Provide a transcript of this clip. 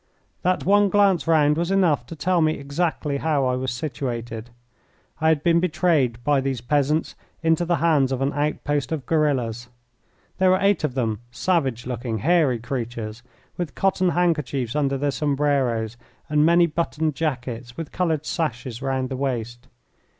That one glance round was enough to tell me exactly how I was situated. I had been betrayed by these peasants into the hands of an outpost of guerillas. There were eight of them, savage looking, hairy creatures, with cotton handkerchiefs under their sombreros, and many buttoned jackets with coloured sashes round the waist.